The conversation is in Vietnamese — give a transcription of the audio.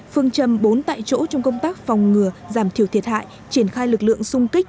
phương châm bốn tại chỗ trong công tác phòng ngừa giảm thiểu thiệt hại triển khai lực lượng sung kích